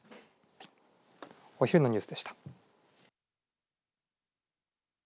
お昼のニュースでした。